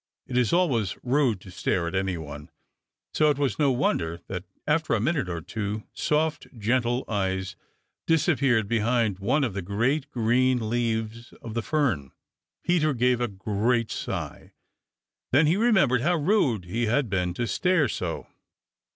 It is always rude to stare at any one. So it was no wonder that after a minute the two soft, gentle eyes disappeared behind one of the great green leaves of the fern. Peter gave a great sigh. Then he remembered how rude he had been to stare so.